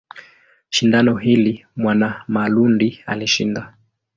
Shindano hili Mwanamalundi alishinda.